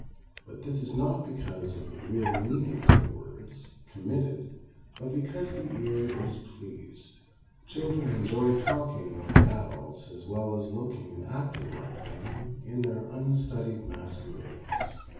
But this is not because of the real meaning of the words committed but because the ear is pleased. Children enjoy talking like adults as well as looking and acting like them in their unstudied masquerades.